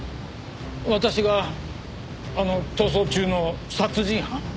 私があの逃走中の殺人犯？